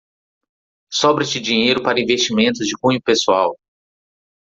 Sobra-te dinheiro para investimentos de cunho pessoal